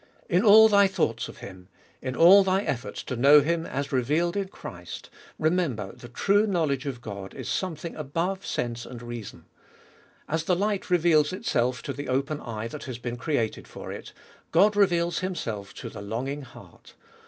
In all thy thoughts of Him, in all thy efforts to know Him as revealed in Christ, remember the true knowledge of God is something above sense and reason. As the light reveals itself to the open eye that has been created for it, God reveals Himself to the longing heart.